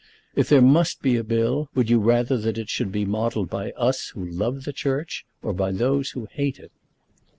If there must be a bill, would you rather that it should be modelled by us who love the Church, or by those who hate it?"